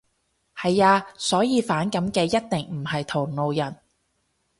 係呀。所以反感嘅一定唔係同路人